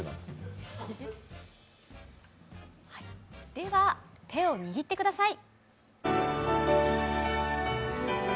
では、手を握ってください。